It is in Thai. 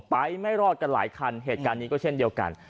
ไปไม่รอดกันหลายคันเหตุการณ์นี้ก็เช่นเดียวกัน